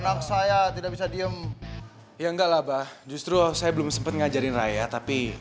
anak saya tidak bisa diem ya enggak lah bah justru saya belum sempat ngajarin ayah tapi